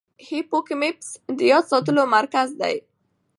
هیپوکمپس د یاد ساتلو مرکز دی.